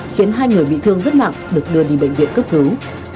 khiến hai người bị thương rất nặng được đưa đi bệnh viện cấp cứu